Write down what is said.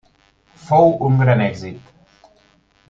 Fou un gran èxit.